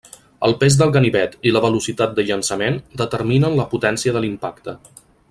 El pes del ganivet i la velocitat de llançament determinen la potència de l'impacte.